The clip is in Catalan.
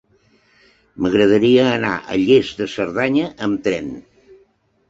M'agradaria anar a Lles de Cerdanya amb tren.